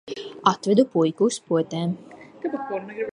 Atvedu puiku uz potēm.